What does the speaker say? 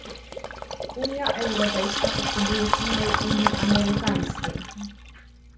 Unia Europejska potrzebuje silnej Unii Amerykańskiej